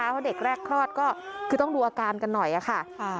เพราะเด็กแรกคลอดก็คือต้องดูอาการกันหน่อยค่ะ